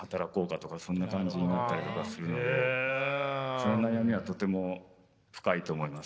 その悩みはとても深いと思います。